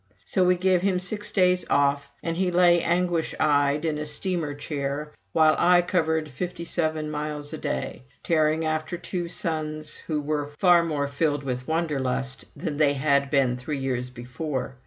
So we gave him his six days off, and he lay anguish eyed in a steamer chair while I covered fifty seven miles a day, tearing after two sons who were far more filled with Wanderlust than they had been three years before.